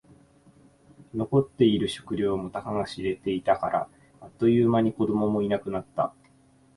残っている食料もたかが知れていたから。あっという間に子供もいなくなった。